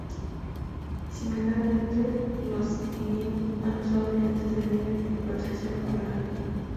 Similarmente, los inuit han usado lentes de nieve para protección ocular.